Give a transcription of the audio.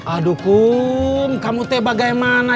aduh kamu teh bagaimana